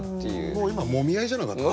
もう今もみ合いじゃなかった？